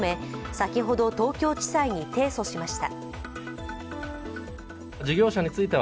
先ほど東京地裁に提訴しました。